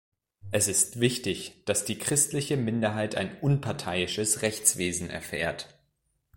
Es ist wichtig, dass die christliche Minderheit ein unparteiisches Rechtswesen erfährt.